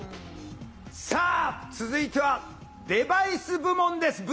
さあ続いてはデバイス部門です。